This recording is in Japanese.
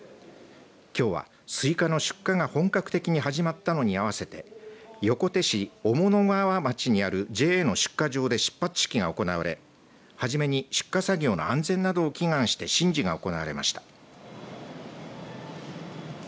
きょうは、すいかの出荷が本格的に始まったのに合わせて横手市雄物川町にあるＪＡの出荷場で出発式が行われはじめに出荷作業の安全などを祈願して神事が行われました。